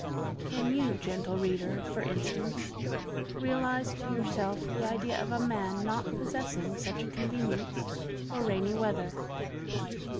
Can you, gentle reader, for instance, realise to yourself the idea of a man not possessing such a convenience for rainy weather?